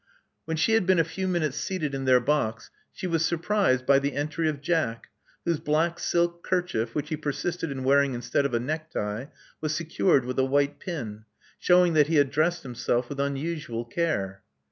When she had 240 Love Among the Artists been a few minutes seated in their box, she was sur prised by the entry of Jack, whose black silk kerchief, which he persisted in wearing instead of a necktie, was secured with a white pin, shewing that he had dressed himself with unusual care.